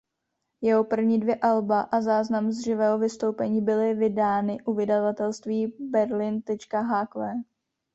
Jeho první dvě alba a záznam z živého vystoupení byly vydány u vydavatelství Berlin.hq.